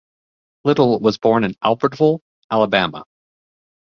Little was born in Albertville, Alabama.